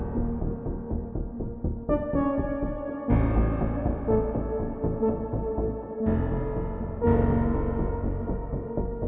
nanti jatuh malah nyalahin lagi